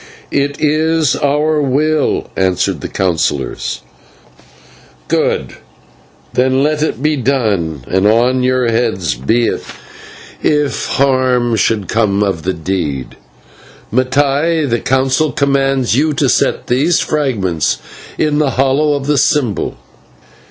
"It is our will," answered the Councillors. "Good. Then let it be done, and on your heads be it if harm should come of the deed. Mattai, the Council commands you to set these fragments in the hollow of the symbol."